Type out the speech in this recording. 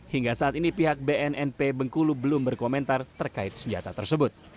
hingga saat ini pihak bnnp bengkulu belum berkomentar terkait senjata tersebut